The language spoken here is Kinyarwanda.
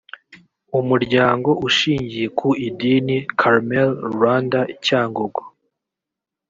umuryango ushingiye ku idini carmel rwanda cyangugu